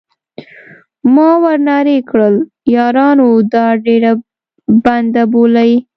ما ور نارې کړل: یارانو دا ډبره بنده بولئ.